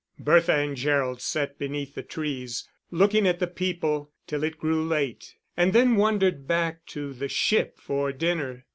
Bertha and Gerald sat beneath the trees, looking at the people, till it grew late, and then wandered back to the Ship for dinner.